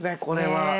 これは。